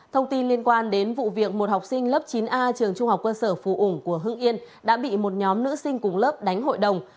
thông tin liên quan đến vụ việc một học sinh lớp chín a trường trung học cơ sở phù ủng của hương yên đã bị một nhóm nữ sinh cùng lớp đánh hội đồng